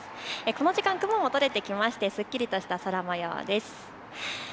この時間、雲も取れてきましてすっきりとした空もようです。